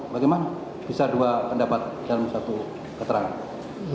bagaimana bisa dua pendapat dalam satu keterangan